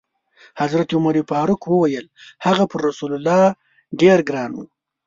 حضرت عمر فاروق وویل: هغه پر رسول الله ډېر ګران و.